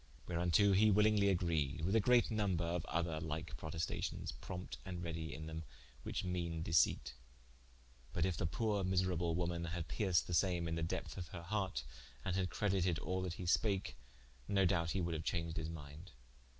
Whereunto hee willingly agreed, with a great nomber of other like protestations, prompte and redy in them which meane deceipt. But in the poore miserable woman had perced the same in the depth of her harte, and had credited all that he spake, no doubte he woulde haue chaunged his minde.